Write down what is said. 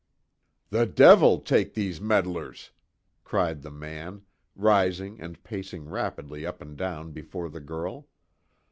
"The devil take these meddlers!" cried the man, rising and pacing rapidly up and down before the girl.